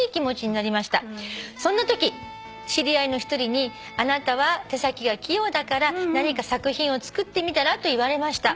「そんなとき知り合いの１人に『あなたは手先が器用だから何か作品を作ってみたら？』と言われました」